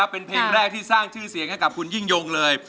เป็นเพลงแรกที่สร้างชื่อเสียงให้กับคุณยิ่งยงเลย